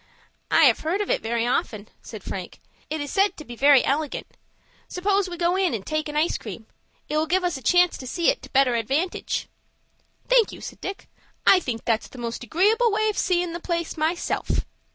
"I have heard of it very often," said Frank. "It is said to be very elegant. Suppose we go in and take an ice cream. It will give us a chance to see it to better advantage." "Thank you," said Dick; "I think that's the most agreeable way of seein' the place myself."